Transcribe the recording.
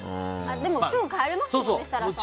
でも、すぐ帰れますもんね設楽さん。